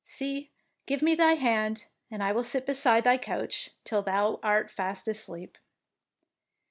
See, give me thy hand, and I will sit beside thy couch till thou art fast asleep."